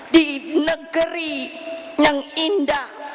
di negeri yang indah